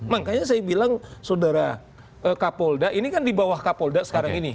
makanya saya bilang saudara kapolda ini kan di bawah kapolda sekarang ini